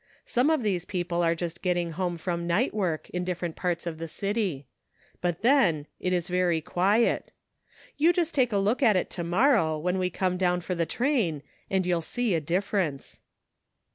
Some of these people are just getting home from night work in different parts of the city. But then, it is very quiet. You just take a 82 A NEW FRIEND. look at it to morrow when we come down for the train and you'll see a difference."